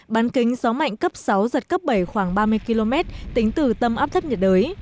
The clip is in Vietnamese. bán kính gió mạnh cấp sáu giật cấp bảy khoảng ba mươi km tính từ tâm áp thấp nhiệt đới